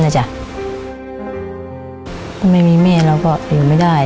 ถ้าไม่มีแม่เราก็อยู่ไม่ได้